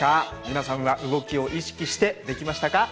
皆さんは動きを意識してできましたか？